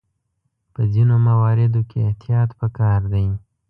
په ځینو مواردو کې احتیاط پکار دی.